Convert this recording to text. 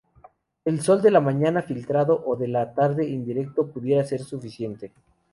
El sol de la mañana filtrado o de la tarde indirecto pudiera ser suficiente.